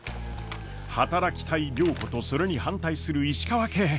働きたい良子とそれに反対する石川家。